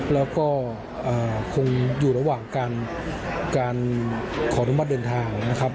แล้วก็คงอยู่ระหว่างการขออนุมัติเดินทางนะครับ